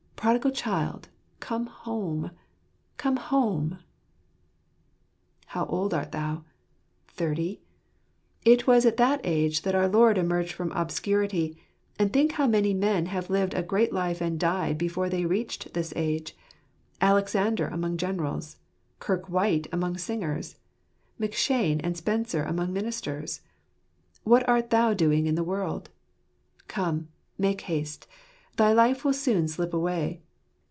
Prodigal child, come home ! Come home ! How old art thou? Thirty ? It was at that age that our Lord emerged from obscurity : and think how many men have lived a great life and died before they reached this age. Alexander among generals ; Kirke White among singers; McCheyne and Spencer among ministers. What art thou doing in the world ? Come, make haste ! Thy life will soon slip away.